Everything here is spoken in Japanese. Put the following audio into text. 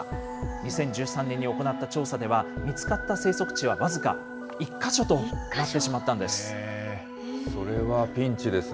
２０１３年に行った調査では、見つかった生息地は僅か１か所となってしまったんです。